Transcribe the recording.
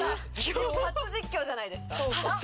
初実況じゃないですか？